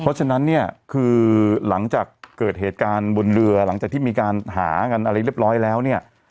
เพราะฉะนั้นเนี่ยคือหลังจากเกิดเหตุการณ์บนเรือหลังจากที่มีการหากันอะไรเรียบร้อยแล้วเนี่ย